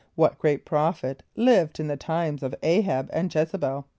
= What great prophet lived in the times of [=A]´h[)a]b and J[)e]z´e b[)e]l?